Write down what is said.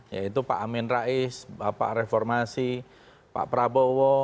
yaitu pak amin rais bapak reformasi pak prabowo